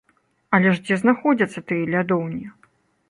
Але ж дзе знаходзяцца тыя лядоўні?